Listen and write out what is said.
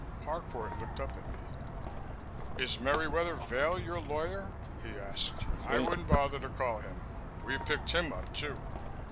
Harcourt looked up at me. "Is Merriwether Vail your lawyer?" he asked. "I wouldn't bother to call him. We've picked him up too.